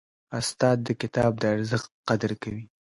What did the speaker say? استاد د کتاب د ارزښت قدر کوي.